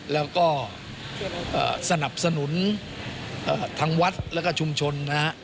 แล้วก็สนับสนุนทางวัดและชุมชน